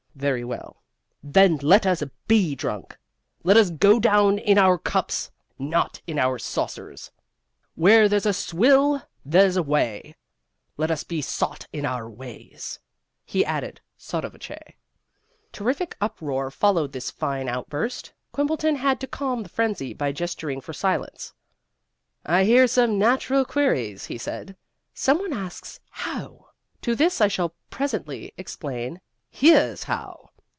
Very well: then let us BE drunk. Let us go down in our cups, not in our saucers. Where there's a swill, there's a way! Let us be sot in our ways," he added, sotto voce. Terrific uproar followed this fine outburst. Quimbleton had to calm the frenzy by gesturing for silence. "I hear some natural queries," he said. "Some one asks 'How?' To this I shall presently explain 'Here's how.'